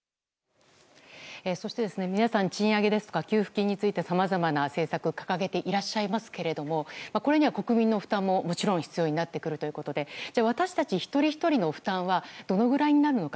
そして、皆さん賃上げですとか給付金についてさまざまな政策を掲げていらっしゃいますがこれには国民の負担も、もちろん必要になってくるということでじゃあ私たち一人ひとりの負担はどのぐらいになるのか。